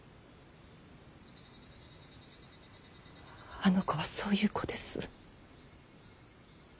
あの子はそういう子です。